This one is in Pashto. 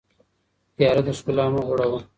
تياره د ښکلا مه غوړوه